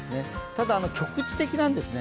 ただ局地的なんですね。